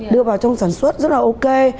đưa vào trong sản xuất rất là ok